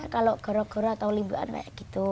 kalau goro gora atau limbuan kayak gitu